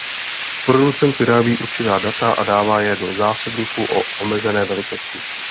Producent vyrábí určitá data a dává je do zásobníku o omezené velikosti.